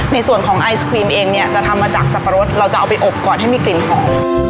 ในส่วนของไอศครีมเองเนี่ยจะทำมาจากสับปะรดเราจะเอาไปอบก่อนให้มีกลิ่นหอม